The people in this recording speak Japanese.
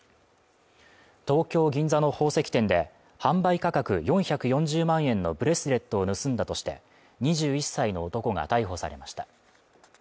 東京銀座の宝石店で、販売価格４４０万円のブレスレットを盗んだとして、２１歳の男が逮捕されました。